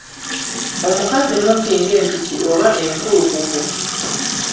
Omukazi mumpi ng'empiki oba enkulukuku